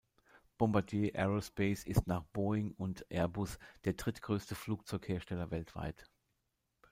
Bombardier Aerospace ist nach Boeing und Airbus der drittgrößte Flugzeughersteller weltweit.